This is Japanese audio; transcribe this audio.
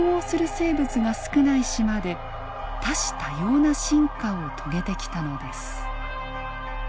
生物が少ない島で多種多様な進化を遂げてきたのです。